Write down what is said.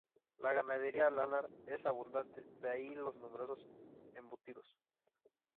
La ganadería lanar es abundante, de ahí los numerosos embutidos.